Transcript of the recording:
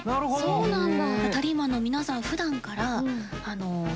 そうなんだ。